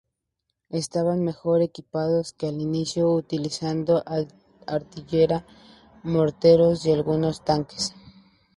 Estaban mejor equipados que al inicio, utilizando artillería, morteros y algunos tanques.